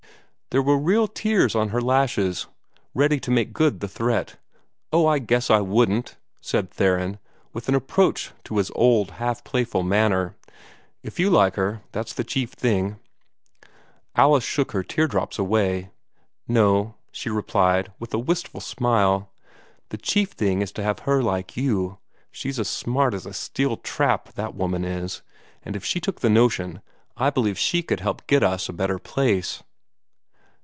There were real tears on her lashes, ready to make good the threat. "Oh, I guess I wouldn't," said Theron, with an approach to his old, half playful manner. "If you like her, that's the chief thing." Alice shook her tear drops away. "No," she replied, with a wistful smile; "the chief thing is to have her like you. She's as smart as a steel trap that woman is and if she took the notion, I believe she could help get us a better place."